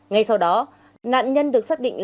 ngay sau đó nạn nhân được xác định